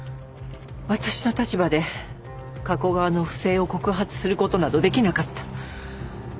私の立場で加古川の不正を告発する事など出来なかった。